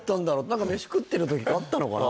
何か飯食ってる時があったのかな